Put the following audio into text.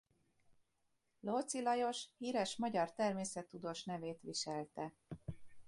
Lóczy Lajos híres magyar természettudós nevét viselte.